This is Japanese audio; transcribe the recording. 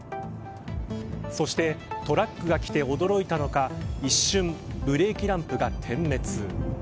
そしてトラックがきて驚いたのか一瞬、ブレーキランプが点滅。